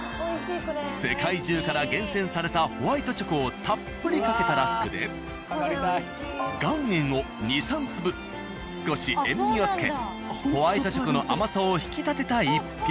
世界中から厳選されたホワイトチョコをたっぷりかけたラスクで岩塩を２３粒少し塩味をつけホワイトチョコの甘さを引き立てた一品。